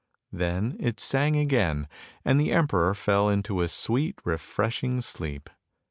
" Then it sang again, and the emperor fell into a sweet refresh ing sleep.